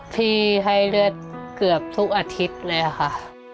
ให้เลือดเกือบทุกอาทิตย์เลยค่ะ